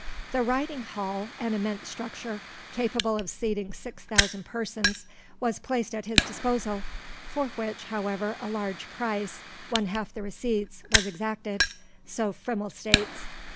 The Riding Hall, an immense structure, capable of seating six thousand persons was placed at his disposal, for which, however, a large price, one half the receipts, was exacted, so Frimmel states.